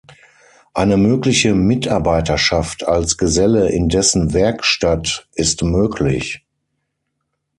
Eine mögliche Mitarbeiterschaft als Geselle in dessen Werkstatt ist möglich.